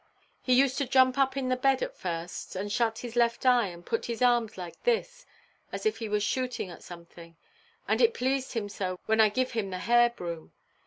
He used to jump up in the bed at first, and shut his left eye, and put his arms like this, as if he was shooting at something; and it pleased him so when I give him the hair–broom.